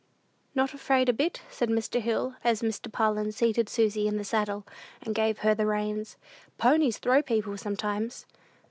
"Not afraid a bit?" said Mr. Hill, as Mr. Parlin seated Susy in the saddle, and gave her the reins. "Ponies throw people, sometimes."